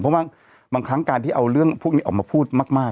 เพราะว่าบางครั้งการที่เอาเรื่องพวกนี้ออกมาพูดมาก